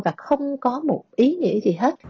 và không có một ý nghĩa gì hết